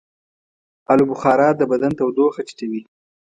آلوبخارا د بدن تودوخه ټیټوي.